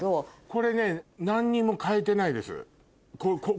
これね何にも変えてないです。